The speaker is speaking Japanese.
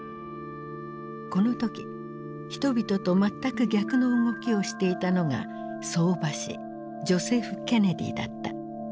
この時人々と全く逆の動きをしていたのが相場師ジョセフ・ケネディだった。